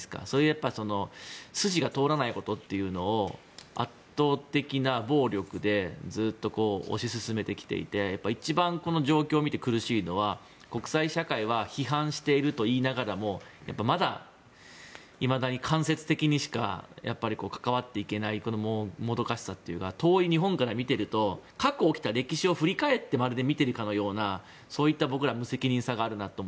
やっぱり、筋が通らないことというのを圧倒的な暴力でずっと推し進めてきていて一番この状況を見て厳しいのは国際社会は批判しているといいながらもいまだに間接的にしか関わっていけないもどかしさというか遠い日本から見てると過去起きた歴史を振り返ってまるで見ているかのような僕らにも無責任さがあるなと。